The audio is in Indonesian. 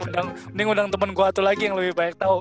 mending undang temen gue atu lagi yang lebih banyak tau